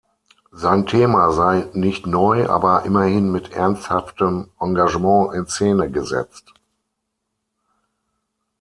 Sein Thema sei „nicht neu, aber immerhin mit ernsthaftem Engagement in Szene gesetzt“.